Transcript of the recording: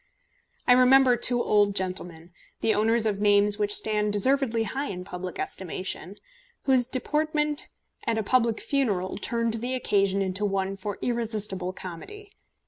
I remember two old gentlemen, the owners of names which stand deservedly high in public estimation, whose deportment at a public funeral turned the occasion into one for irresistible comedy.